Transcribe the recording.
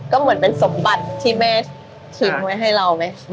ก็เหมือนเป็นสมบัติที่แม่ทิ้งไว้ให้เราไหม